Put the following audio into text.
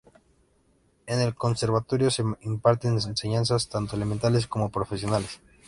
En el conservatorio se imparten enseñanzas tanto elementales como profesionales.